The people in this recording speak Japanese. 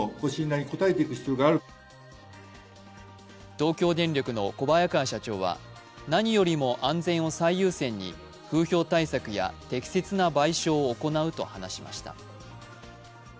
東京電力の小早川社長は何よりも安全を最優先に風評対策や適切な賠償を行うと話しました。